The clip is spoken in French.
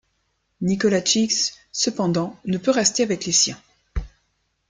Nicolazic cependant ne peut rester avec les siens.